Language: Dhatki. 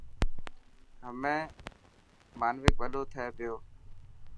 همي حانوڪ وڏو ٿي پيو.